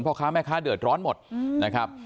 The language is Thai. พ่อค้าแม่ค้าเดือดร้อนหมดนะครับ